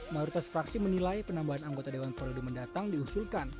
mayoritas fraksi menilai penambahan anggota dewan periode mendatang diusulkan